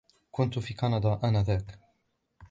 كنتُ في كندا آنذاك.